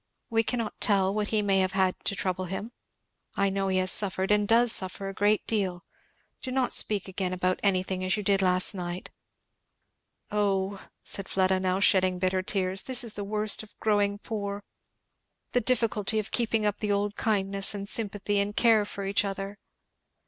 We cannot tell what he may have had to trouble him I know he has suffered and does suffer a great deal. Do not speak again about anything as you did last night! Oh," said Fleda, now shedding bitter tears, "this is the worst of growing poor! the difficulty of keeping up the old kindness and sympathy and care for each other!